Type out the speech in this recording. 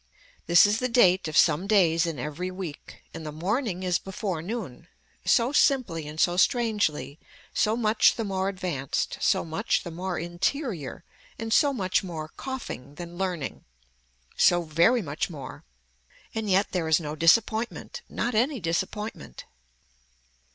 This is the date of some days in every week, and the morning is before noon. So simply and so strangely, so much the more advanced, so much the more interior and so much more coughing than learning, so very much more and yet there is no disappointment, not any disappointment.